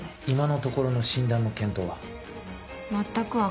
今のところの診断の検討は？